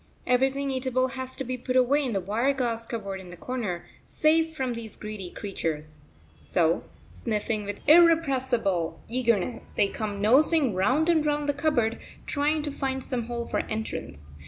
Everything eatable has to be put away in the wire gauze cupboard in the corner, safe from these greedy creatures. So, sniffing with an irrepressible eagerness, they come nosing round and round the cupboard, trying to find some hole for entrance.